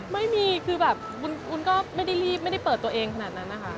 ไม่มีคือแบบวุ้นก็ไม่ได้รีบไม่ได้เปิดตัวเองขนาดนั้นนะคะ